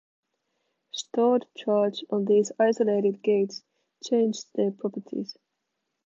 Stored charge on these isolated gates changed their properties.